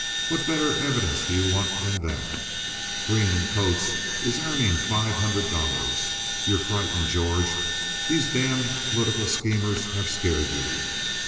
What better evidence do you want than that? Green & Coates is earning five hundred dollars. You're frightened, George. These damned political schemers have scared you.